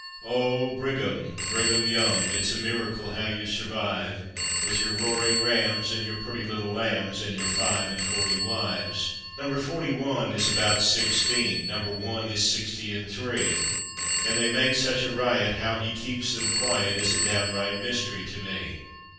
Chorus: Oh Brigham, Brigham Young, It's a miracle how you survive, With your roaring rams and your pretty little lambs And your five and forty wives. Number forty five is about sixteen, Number one is sixty and three; And they make such a riot, how he keeps them quiet Is a downright mystery to me.